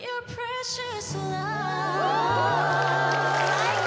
・最高！